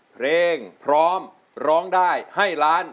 เพลงพร้อมร้องได้ให้ล้าน